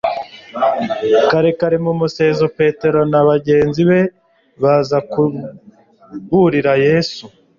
Kare kare, mu museso, Petero na bagenzi be baza kuburira Yesu